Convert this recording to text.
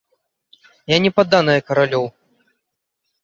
Я не падданая каралёў.